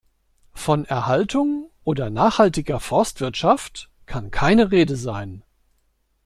Von Erhaltung oder nachhaltiger Forstwirtschaft kann keine Rede sein.